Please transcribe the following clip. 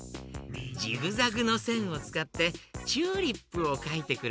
ジグザグのせんをつかってチューリップをかいてくれたよ。